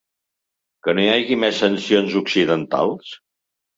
Que no hi hagi més sancions occidentals?